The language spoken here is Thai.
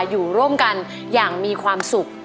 อยู่ร่วมกันอย่างมีความสุข